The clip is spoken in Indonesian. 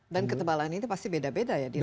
dan ketebalan ini pasti beda beda ya di lain tempat